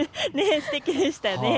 すてきでしたね。